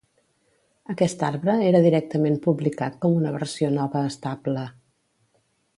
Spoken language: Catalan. Aquest arbre era directament publicat com una versió nova estable.